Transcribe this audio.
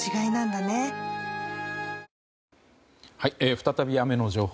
再び雨の情報。